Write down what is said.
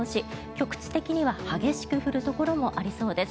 局地的には激しく降るところもありそうです。